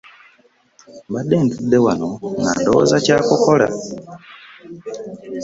Obwedda ntudde wano nga ndowooza kyakukola.